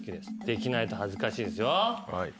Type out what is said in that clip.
できないと恥ずかしいですよ。